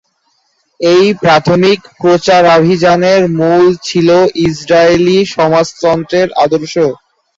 এই প্রাথমিক প্রচারাভিযানের মূল ছিল ইসরায়েলি সমাজতন্ত্রের আদর্শ।